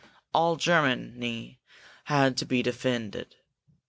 All Germany had to be defended.